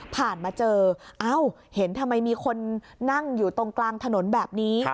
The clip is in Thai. มาเจอเอ้าเห็นทำไมมีคนนั่งอยู่ตรงกลางถนนแบบนี้